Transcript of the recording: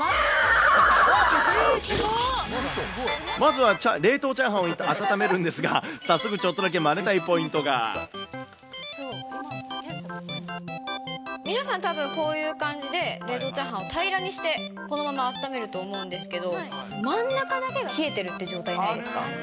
まずは冷凍チャーハンを温めるんですが、早速ちょっとだけマ皆さん、たぶんこういう感じで冷凍チャーハンを平らにして、このままあっためると思うんですけど、真ん中だけが冷えてるっていう状態ないですか？